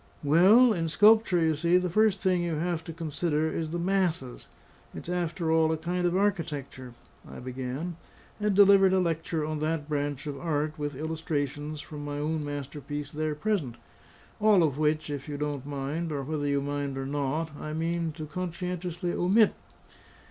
"Well, in sculpture, you see, the first thing you have to consider is the masses. It's, after all, a kind of architecture," I began, and delivered a lecture on that branch of art, with illustrations from my own masterpiece there present, all of which, if you don't mind, or whether you mind or not, I mean to conscientiously omit.